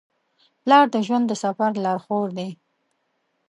پلار د ژوند د سفر لارښود دی.